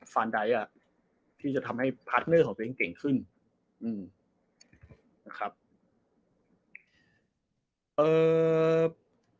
ฟานดรไทยอ่ะที่จะทำให้ของเสียงเก่งขึ้นอืม